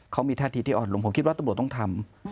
เขามีท่าทีที่อ่อนลงผมคิดว่าตำรวจต้องทำ